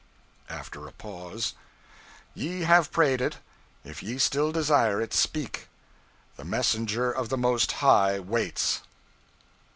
(After a pause.) "Ye have prayed it; if ye still desire it, speak! The messenger of the Most High waits!"